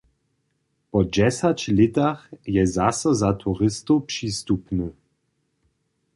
Po dźesać lětach je zaso za turistow přistupny.